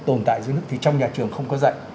tồn tại dưới nước thì trong nhà trường không có dạy